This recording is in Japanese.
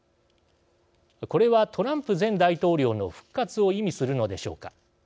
これはトランプ前大統領の復活を意味するのでしょうか。